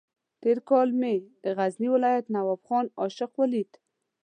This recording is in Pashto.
تېر کال چې مې د غزني ولایت نواب خان عاشق ولید.